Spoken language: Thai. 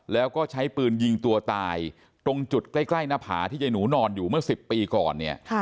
แล้วก็ใช้ปืนยิงตัวตายตรงจุดใกล้หน้าผาที่ยายหนูนอนอยู่เมื่อ๑๐ปีก่อนเนี่ย